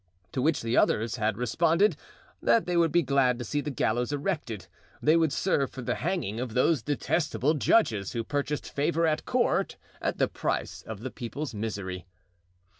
To which the others had responded that they would be glad to see the gallows erected; they would serve for the hanging of those detestable judges who purchased favor at court at the price of the people's misery.